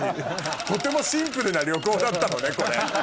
とてもシンプルな旅行だったのねこれ。